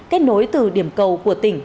kết nối từ điểm cầu của tỉnh